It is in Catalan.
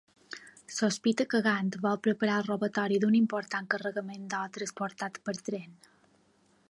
Sospita que Gant vol preparar el robatori d'un important carregament d'or transportat per tren.